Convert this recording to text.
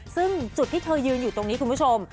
ซึ่งจุดที่เธอยืนอยู่ตรงนี้คุณผู้ชม